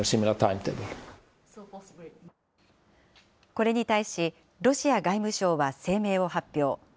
これに対しロシア外務省は声明を発表。